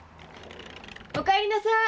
おかえりなさい。